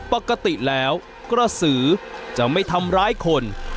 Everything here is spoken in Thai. ปกติแล้วกระสือจะไม่ทำร้ายคน